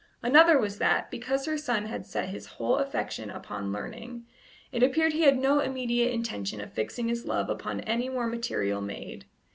Another was that, because her son had set his whole affection upon learning, it appeared he had no immediate intention of fixing his love upon any more material maid.